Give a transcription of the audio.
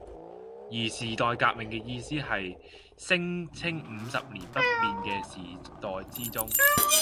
而「時代革命」嘅意思係聲稱五十年不變嘅時代之中